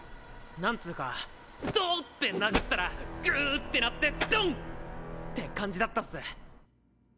なんつうかドーって殴ったらグーってなってドン！って感じだったっス。